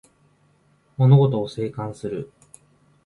物事を静観する